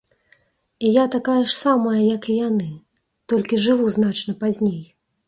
І я такая ж самая, як і яны, толькі жыву значна пазней.